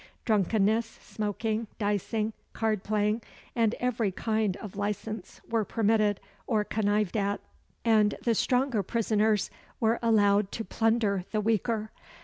Drunkenness, smoking, dicing, card playing, and every kind of licence were permitted, or connived at; and the stronger prisoners were allowed to plunder the weaker.